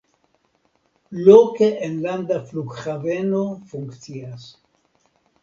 Loke enlanda flughaveno funkcias.